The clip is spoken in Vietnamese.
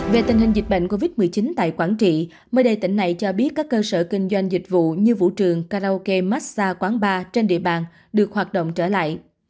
về tình hình dịch bệnh covid một mươi chín tại quảng trị mới đây tỉnh này cho biết các cơ sở kinh doanh dịch vụ như vũ trường karaoke massag quán bar trên địa bàn được hoạt động trở lại